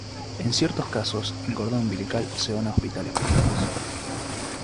En ciertos casos el cordón umbilical se dona a hospitales públicos.